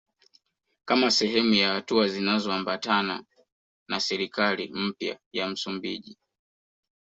Kama sehemu ya hatua zinazoambatana na serikali mpya ya Msumbiji